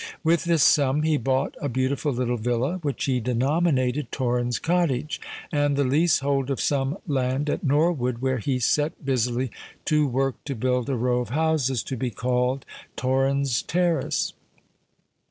With this sum he bought a beautiful little villa, which he denominated Torrens Cottage, and the leasehold of some land at Norwood, where he set busily to work to build a row of houses to be called Torrens Terrace.